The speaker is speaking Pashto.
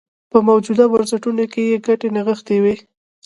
په موجوده بنسټونو کې یې ګټې نغښتې وې.